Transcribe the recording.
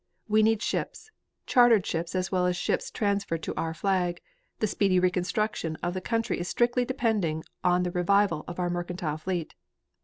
We need ships, chartered ships as well as ships transferred to our flag; the speedy reconstruction of the country is strictly depending on the revival of our mercantile fleet.